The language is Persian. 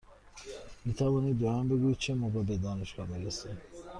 می توانید به من بگویید چه موقع به دانشگاه می رسیم؟